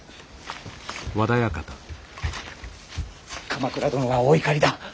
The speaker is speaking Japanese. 鎌倉殿はお怒りだ。